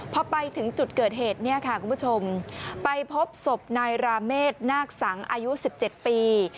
พอไปถึงจุดเกิดเหตุเนี่ยค่ะคุณผู้ชมไปพบศพนายราเมษนาคสังอายุ๑๗ปี